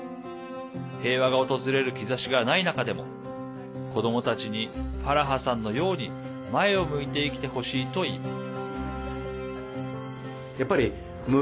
平和が訪れる兆しがない中でも子どもたちにファラハさんのように前を向いて生きてほしいと言います。